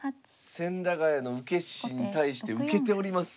千駄ヶ谷の受け師に対して受けております。